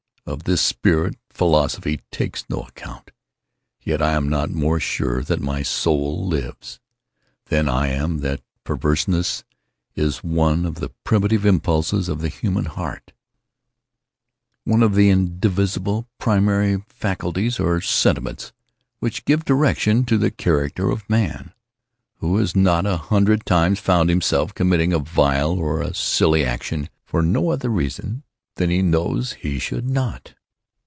Of this spirit philosophy takes no account. Yet I am not more sure that my soul lives, than I am that perverseness is one of the primitive impulses of the human heart—one of the indivisible primary faculties, or sentiments, which give direction to the character of Man. Who has not, a hundred times, found himself committing a vile or a silly action, for no other reason than because he knows he should not?